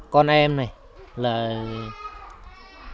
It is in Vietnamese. con em này là đi học